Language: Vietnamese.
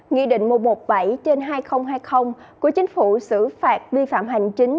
nghị định một trăm một mươi bảy trên hai nghìn hai mươi của chính phủ xử phạt vi phạm hành chính